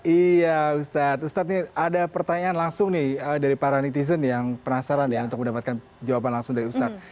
iya ustadz ustadz ini ada pertanyaan langsung nih dari para netizen yang penasaran ya untuk mendapatkan jawaban langsung dari ustadz